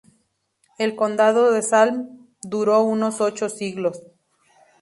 El condado de Salm duró unos ocho siglos.